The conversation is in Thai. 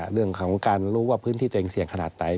เรื่องของการรู้ว่าพื้นที่ตัวเองเสี่ยงขนาดไหน